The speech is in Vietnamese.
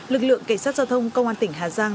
lực lượng cảnh sát giao thông công an tỉnh hà giang